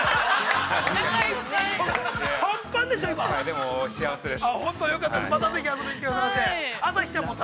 でも、幸せです。